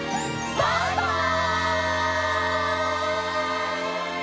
バイバイ！